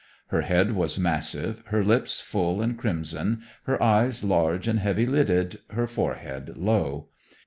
Her head was massive, her lips full and crimson, her eyes large and heavy lidded, her forehead low.